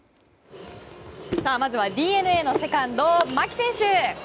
まずはＤｅＮＡのセカンド牧選手。